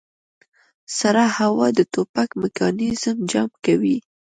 سړه هوا د ټوپک میکانیزم جام کوي